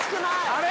あれ？